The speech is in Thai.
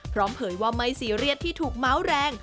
เผยว่าไม่ซีเรียสที่ถูกเม้าแรง